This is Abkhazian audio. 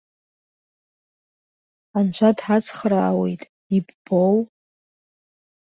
Анцәа дҳацхраауеит, иббоу!